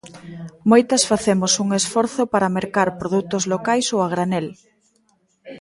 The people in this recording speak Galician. Moitas facemos un esforzo para mercar produtos locais ou a granel.